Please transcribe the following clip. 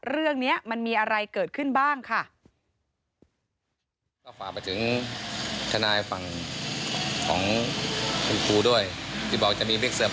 เรื่องนี้มันมีอะไรเกิดขึ้นบ้างค่ะ